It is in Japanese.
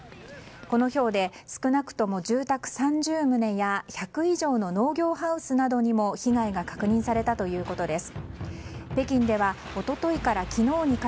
このひょうで少なくとも住宅３０棟や１００以上の農業ハウスなどにも被害が確認されたということです。